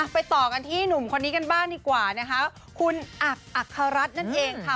ต่อกันที่หนุ่มคนนี้กันบ้างดีกว่านะคะคุณอักอัคฮรัฐนั่นเองค่ะ